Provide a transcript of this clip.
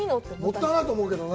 もったいないと思うけどね。